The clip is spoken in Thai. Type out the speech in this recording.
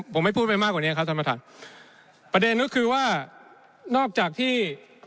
ผมไม่พูดไปมากกว่านี้ครับท่านประธานประเด็นก็คือว่านอกจากที่